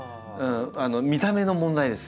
見た目の問題です。